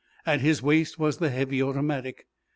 At his waist was the heavy automatic.